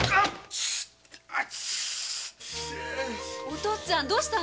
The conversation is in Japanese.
お父っつぁん！？